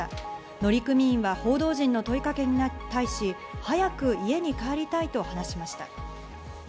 乗組員は報道陣の問いかけに対し、早く家に帰りたいと話しました。